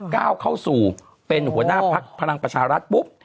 ก้าวเข้าสู่เป็นหัวหน้าพักพลังประชารัฐปุ๊บ